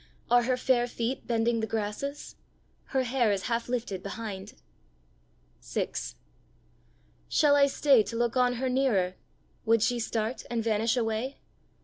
Are her fair feet bending the grasses? Her hair is half lifted behind! VI. Shall I stay to look on her nearer? Would she start and vanish away?